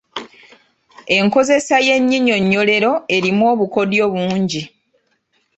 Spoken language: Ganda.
Enkozesa y’ennyinyonnyolero erimu obukodyo bungi.